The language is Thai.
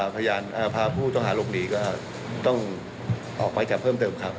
พาผู้ต่อหาลกหนีก็ต้องออกไปจากเพิ่มเติมครับ